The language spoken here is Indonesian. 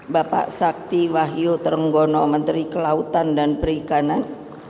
bapak sakti wahyu trenggono menteri kelautan dan perikanan